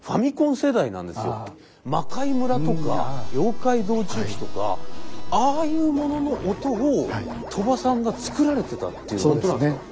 「魔界村」とか「妖怪道中記」とかああいうものの音を鳥羽さんが作られてたっていうことなんですか？